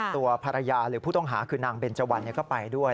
ตัวภรรยาหรือผู้ต้องหาคือนางเบนเจวันก็ไปด้วย